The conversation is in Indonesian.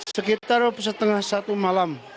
sekitar setengah satu malam